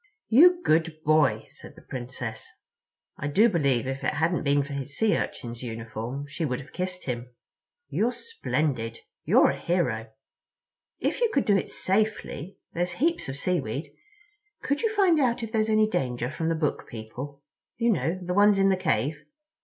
"You good boy," said the Princess. I do believe if it hadn't been for his Sea Urchin's uniform she would have kissed him. "You're splendid. You're a hero. If you could do it safely—there's heaps of seaweed—could you find out if there's any danger from the Book People? You know—the ones in the cave.